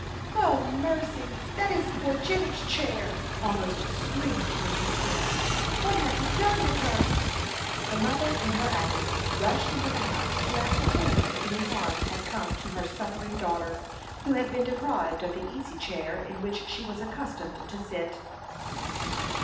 "O mercy! that is poor Jenny's chair!" almost screamed Mrs. Kent. "What have you done with her?" The mother, in her agony, rushed into the house to ascertain if any harm had come to her suffering daughter, who had been deprived of the easy chair in which she was accustomed to sit.